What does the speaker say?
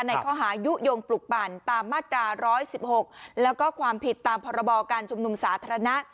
ในข้อหายุโยงปลุกปั่นตามมาตรา๑๑๖แล้วก็ความผิดตามพรบการชุมนุมสาธารณะ